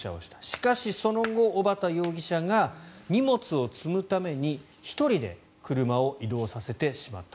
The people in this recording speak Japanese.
しかし、その後、小畠容疑者が荷物を積むために１人で車を移動させてしまった。